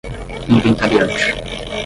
inventariante